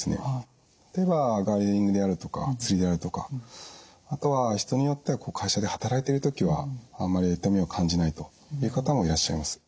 例えばガーデニングであるとか釣りであるとかあとは人によっては会社で働いてる時はあんまり痛みを感じないという方もいらっしゃいます。